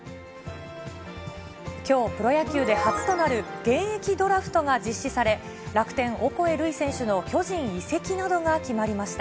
きょう、プロ野球で初となる、現役ドラフトが実施され、楽天、オコエ瑠偉選手の巨人移籍などが決まりました。